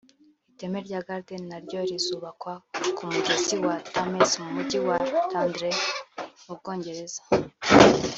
Iteme rya Garden naryo rizubakwa ku mugezi wa Thames mu Mujyi wa Londres mu Bwongereza